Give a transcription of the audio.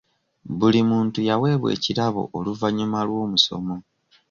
Buli muntu yaweebwa ekirabo oluvannyuma lw'omusomo.